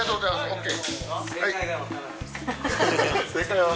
ＯＫ！